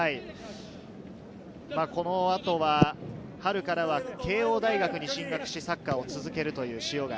この後は春からは慶應大学に進学し、サッカーを続けるという塩貝。